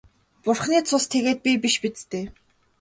Бурхны цус тэгээд би биш биз дээ.